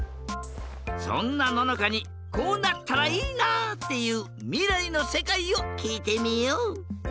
そんなののかにこうなったらいいなっていうみらいのせかいをきいてみよう！